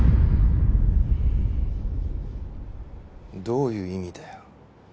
どういう意味だよ。